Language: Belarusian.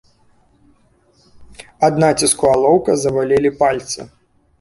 Ад націску алоўка забалелі пальцы.